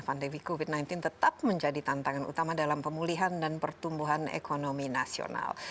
pandemi covid sembilan belas tetap menjadi tantangan utama dalam pemulihan dan pertumbuhan ekonomi nasional